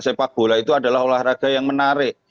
sepak bola itu adalah olahraga yang menarik